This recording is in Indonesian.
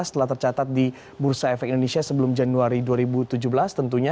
setelah tercatat di bursa efek indonesia sebelum januari dua ribu tujuh belas tentunya